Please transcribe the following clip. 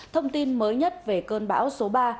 thông tin mới nhất về cơn bão số ba